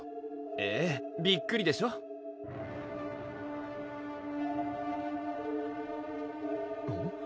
ええびっくりでしょうん？